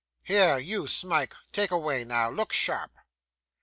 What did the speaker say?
'Here, you Smike; take away now. Look sharp!